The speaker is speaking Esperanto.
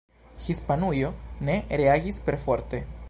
Hispanujo ne reagis perforte.